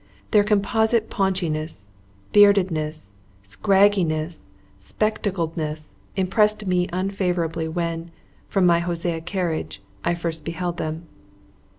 Their composite paunchiness, beardedness, scragginess, spectacledness, impressed me unfavourably when, from my Hosea carriage, I first beheld them.